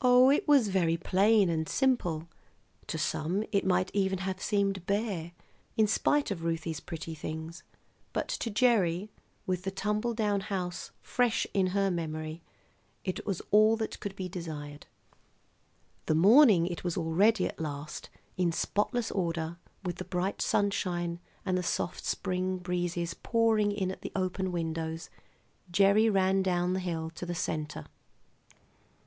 Oh, it was very plain and simple; to some it might even have seemed bare, in spite of Ruthie's pretty things. But to Gerry, with the tumble down house fresh in her memory, it was all that could be desired. [Illustration: "Mrs. Jimson was on her knees scrubbing the barn floor."] The morning it was all ready at last, in spotless order, with the bright sunshine and the soft spring breezes pouring in at the open windows, Gerry ran down the hill to the Centre.